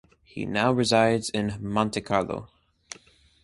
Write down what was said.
He now resides in Monte Carlo.